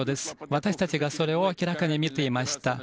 私たちがそれを明らかに見ていました。